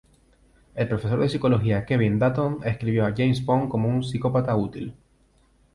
El profesor de psicología Kevin Dutton describió a James Bond como un "psicópata útil".